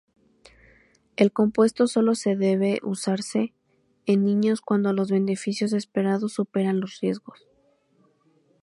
El compuesto solo debe usarse en niños cuando los beneficios esperados superan los riesgos.